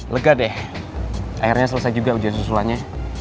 lega deh akhirnya selesai juga ujian susulannya